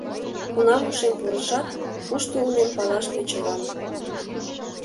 — Кунам ушем пурышат, кушто улмем палаш тӧчылам...